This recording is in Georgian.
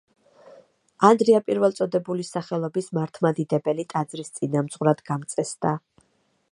ანდრია პირველწოდებულის სახელობის მართლმადიდებელი ტაძრის წინამძღვრად გამწესდა.